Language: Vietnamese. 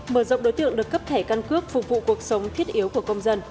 mở rộng đối tượng được cấp thẻ căn cước phục vụ cuộc sống thiết yếu của công dân